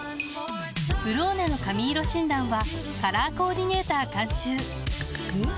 「ブローネ」の髪色診断はカラーコーディネーター監修おっ！